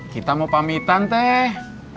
kita mau pamitan teh